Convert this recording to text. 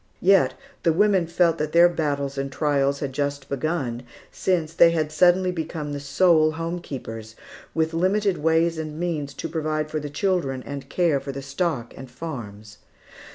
Yet the women felt that their battles and trials had just begun, since they had suddenly become the sole home keepers, with limited ways and means to provide for the children and care for the stock and farms.